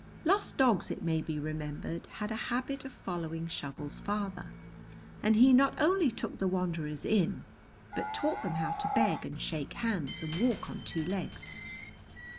Lost dogs, it may be remembered, had a habit of following Shovel's father, and he not only took the wanderers in, but taught them how to beg and shake hands and walk on two legs.